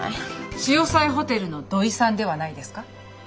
しおさいホテルの土井さんではないですか？